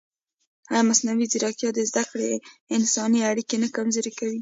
ایا مصنوعي ځیرکتیا د زده کړې انساني اړیکه نه کمزورې کوي؟